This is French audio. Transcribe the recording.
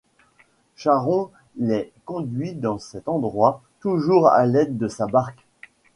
Sharon les conduit dans cet endroit toujours à l’aide de sa barque.